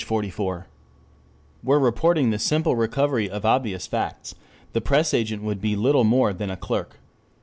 ] Were reporting the simple recovery of obvious facts, the press agent would be little more than a clerk.